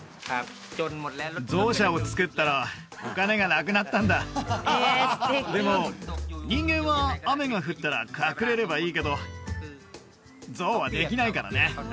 ゾウ舎を造ったらお金がなくなったんだでも人間は雨が降ったら隠れればいいけどゾウはできないからね